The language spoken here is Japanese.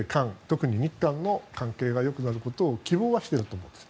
特に日韓の関係が良くなることを希望はしていると思うんです。